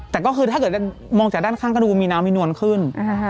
แต่ก็คือถ้าเกิดมองจากด้านข้างก็ดูมีน้ำมีนวลขึ้น